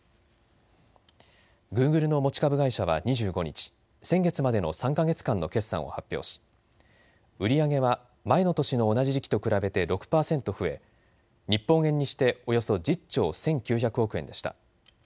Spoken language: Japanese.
グーグルの持ち株会社は２５日、先月までの３か月間の決算を発表し売り上げは前の年の同じ時期と比べて６％増え、日本円にしておよそ１０兆１９００億円でした。